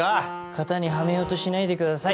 型にはめようとしないでください。